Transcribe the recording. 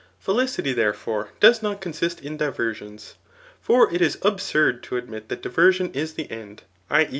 Feli city, therefore, does not con^t in diversions. For it is absurd to admit that diversion is the end [1. e.